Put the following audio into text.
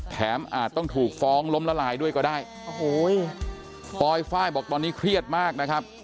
อาจต้องถูกฟ้องล้มละลายด้วยก็ได้โอ้โหปลอยไฟล์บอกตอนนี้เครียดมากนะครับ